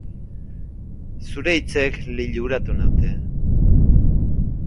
Zure hitzek liluratu naute.